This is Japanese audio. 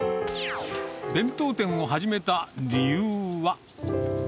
弁当店を始めた理由は。